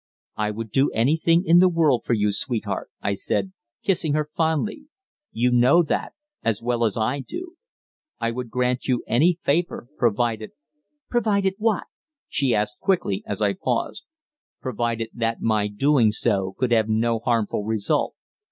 "I would do anything in the world for you, sweetheart," I said, kissing her fondly. "You know that, as well as I do. I would grant you any favour provided " "Provided what?" she asked quickly as I paused. "Provided that my doing so could have no harmful result.